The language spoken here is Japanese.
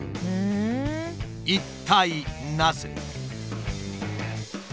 一体なぜ？